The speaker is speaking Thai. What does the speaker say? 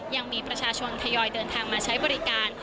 ยังมีประชาชนทยอยเดินทางมาใช้บริการ